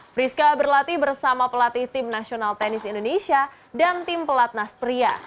priska berlatih bersama pelatih tim nasional tenis indonesia dan tim pelatnas pria